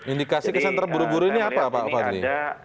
indikasi kesan terburu buru ini apa pak fadli